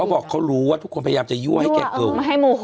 เขาบอกเขารู้ว่าทุกคนพยายามจะยั่วให้แกเกิน